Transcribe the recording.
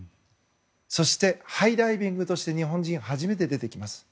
そしてハイダイビングとして日本人初めて出てきます